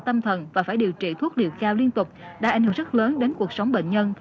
tâm thần và phải điều trị thuốc điều cao liên tục đã ảnh hưởng rất lớn đến cuộc sống bệnh nhân